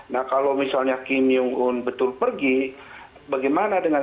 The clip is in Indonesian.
nah kalau misalnya kim jong un betul pergi bagaimana dengan